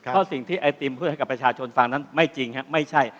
เพราะสิ่งที่ไอติมกับประชาชนฟังทั้งนั้นไม่จริงไม่ใช่